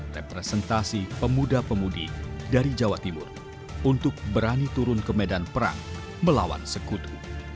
representasi pemuda pemudi dari jawa timur untuk berani turun ke medan perang melawan sekutu